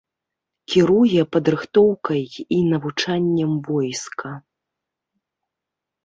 Кіруе падрыхтоўкай і навучаннем войска.